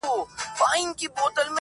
زه اومېدواریم په تیارو کي چي ډېوې لټوم,